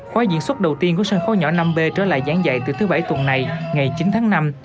khóa diễn xuất đầu tiên của sân khấu nhỏ năm b trở lại giảng dạy từ thứ bảy tuần này ngày chín tháng năm